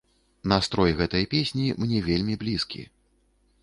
Настрой гэтай песні мне вельмі блізкі.